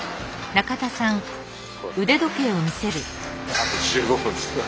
あと１５分ですね。